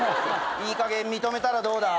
いいかげん認めたらどうだ？